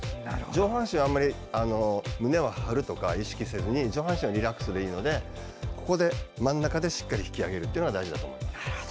上半身はあまり胸を張るとか意識せずに上半身はリラックスでいいので真ん中でしっかり引き上げるっていうのが大事だと思います。